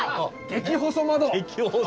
激細窓。